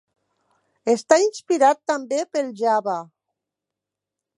Està inspirat també pel Java.